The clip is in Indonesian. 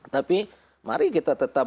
tapi mari kita tetap